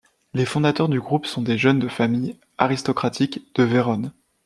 Les fondateurs du groupe sont des jeunes de familles aristrocratiques de Vérone.